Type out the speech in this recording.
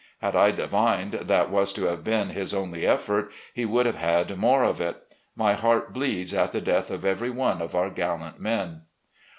Had I divined that was to have been his only effort, he would have had more of it. My heart bleeds at the death of every one of our gallant men."